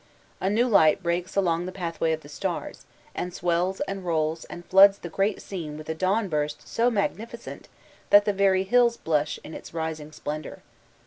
A new light breaks ak>ng the pathway of the stars, and swells and foOs and floods the great scene with a dawn burst so magnificent that the very hills blush in its rising splendor.